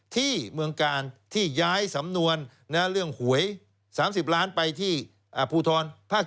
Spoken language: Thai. ที่เมืองกาลที่ย้ายสำนวนเรื่องหวย๓๐ล้านไปที่ภูทรภาค๗